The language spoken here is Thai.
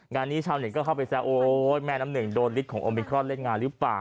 งานนี้ชาวเน็ตก็เข้าไปแซวโอ๊ยแม่น้ำหนึ่งโดนฤทธิของโอมิครอนเล่นงานหรือเปล่า